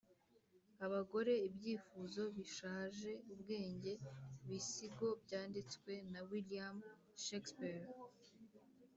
abagore 'ibyifuzo bishaje ubwenge.'bisigo byanditswe na william shakespeare